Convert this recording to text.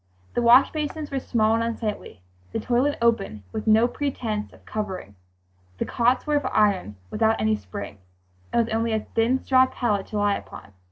The wash basins were small and unsightly; the toilet open, with no pretense of covering. The cots were of iron, without any spring, and with only a thin straw pallet to lie upon.